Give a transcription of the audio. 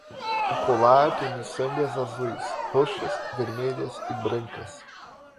O colar tem miçangas azuis, roxas, vermelhas e brancas.